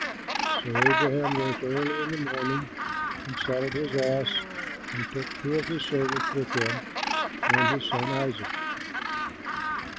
Taylor] So Abraham rose early in the morning and saddled his ass and took two of his servants with him, and his son Isaac.